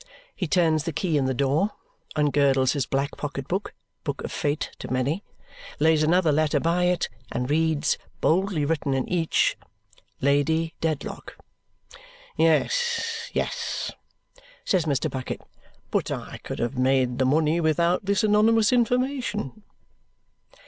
He turns the key in the door, ungirdles his black pocket book (book of fate to many), lays another letter by it, and reads, boldly written in each, "Lady Dedlock." "Yes, yes," says Mr. Bucket. "But I could have made the money without this anonymous information."